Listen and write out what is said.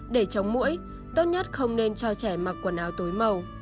để chống mũi tốt nhất không nên cho trẻ mặc quần áo tối màu